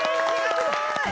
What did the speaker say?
わすごい！